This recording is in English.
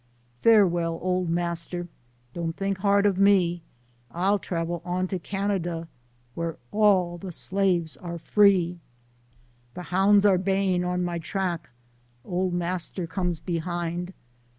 Farewell, ole master, don't think hard of me, I'll travel on to Canada, where all the slaves are free. LIFE OF HARRIET TUBMAN. 'A3 The hounds are baying on my track, Ole master comes behind.